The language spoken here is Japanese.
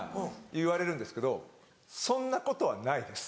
言われるんですけどそんなことはないです。